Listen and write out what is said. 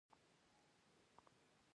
د تودوخې د وهلو لپاره د څه شي شربت وڅښم؟